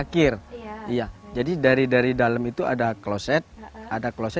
kemudian air masuk ke